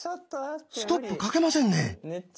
ストップかけませんね？